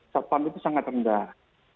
capat itu sangat rendah